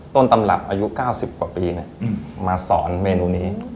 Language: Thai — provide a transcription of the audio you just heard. ต้นตำรับอายุ๙๐กว่าปีมาสอนเมนูนี้